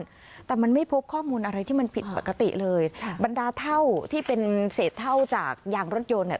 แต่มันไม่พบข้อมูลอะไรที่มันผิดปกติเลยค่ะบรรดาเท่าที่เป็นเศษเท่าจากยางรถยนต์เนี่ย